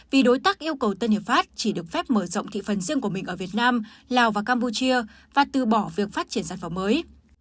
vì đối tác yêu cầu tân hiệp pháp chỉ được phép mở rộng thị phần riêng của mình ở việt nam lào và campuchia và từ bỏ việc phát triển sản phẩm mới